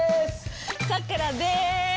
さくらです！